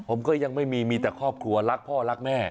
ผมก็ยังไม่มีมีแต่ครอบครัวรักพ่อรักแม่